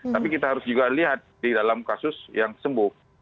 tapi kita harus juga lihat di dalam kasus yang sembuh